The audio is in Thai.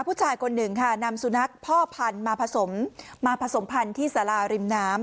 ผู้ชายคนหนึ่งค่ะนำสุนัขพ่อพันธุ์มาผสมมาผสมพันธุ์ที่สาราริมน้ำ